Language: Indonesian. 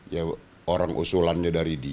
ya orang usulannya dari dia